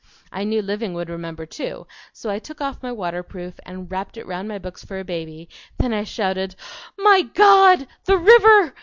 I knew Living would remember, too, so I took off my waterproof and wrapped it round my books for a baby; then I shouted, 'MY GOD! THE RIVER!'